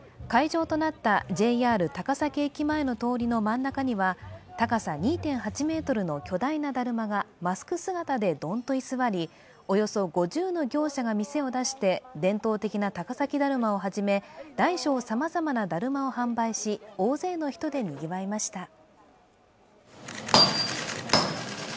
会場となったＪＲ高崎駅前の通りの真ん中には高さ２．８ｍの巨大なだるまがマスク姿でどんと居座り、およそ５０の業者が店を出して伝統的な高崎だるまをはじめ、大小さまざまなだるまを販売し大勢の人でにぎわいました。